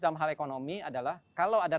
dalam hal ekonomi adalah kalau ada